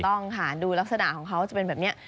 ต้องค่ะดูลักษณะของเขาจะเป็นแบบนี้